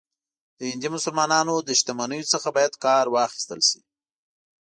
د هندي مسلمانانو له شتمنیو څخه باید کار واخیستل شي.